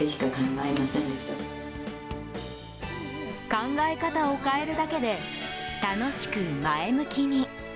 考え方を変えるだけで楽しく前向きに。